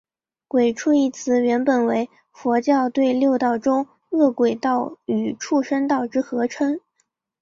鬼畜一词原本为佛教对六道中饿鬼道与畜生道之合称。